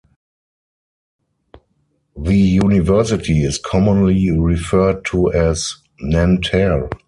The university is commonly referred to as Nanterre.